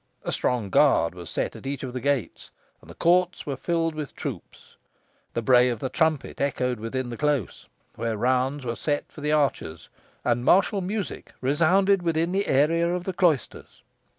A strong guard was set at each of the gates, and the courts were filled with troops. The bray of the trumpet echoed within the close, where rounds were set for the archers, and martial music resounded within the area of the cloisters.